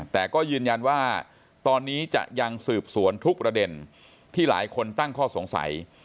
แต่ก็ยืนยันว่าตอนนี้จะยังสืบสวนทุกประเด็นที่หลายคนตั้งข้อสงสัย